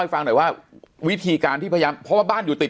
ฟังหน่อยว่าวิธีการที่พยายามเพราะว่าบ้านอยู่ติด